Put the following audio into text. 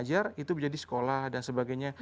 setelah mengajar itu menjadi sekolah dan sebagainya